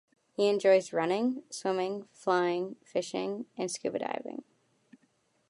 He enjoys running, swimming, flying, fishing, and scuba diving.